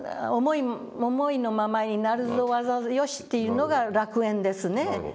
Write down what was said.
「思いのままになるわざぞよし」というのが楽園ですね。